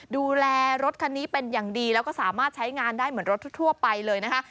ดูแลรถคันนี้เป็นอย่างดีแล้วก็สามารถใช้งานได้เหมือนรถทั่วไปเลยนะคะ